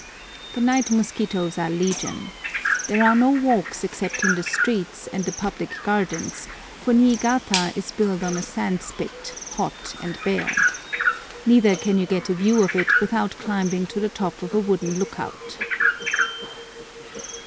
The night mosquitoes are legion. There are no walks except in the streets and the public gardens, for Niigata is built on a sand spit, hot and bare. Neither can you get a view of it without climbing to the top of a wooden look out.